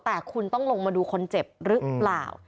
แต่คุณต้องลงมาดูคนเจ็บหรือเปล่า